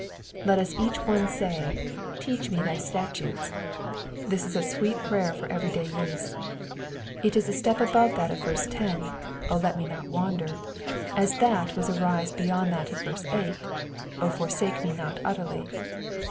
Let us each one say, ^^ Teach me thy statutes,'''* This is a sweet prayer for everyday use. It is a step abo^'e that of verse 10, *' O let me not wander," as that was a rise beyond that of 8, '^ O forsake me not utterly.